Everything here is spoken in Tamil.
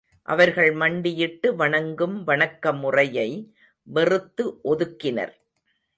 அவர்கள் மண்டியிட்டு வணங்கும் வணக்க முறையை வெறுத்து ஒதுக்கினர்.